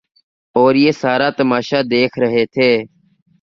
اوریہ سارا تماشہ دیکھ رہے تھے۔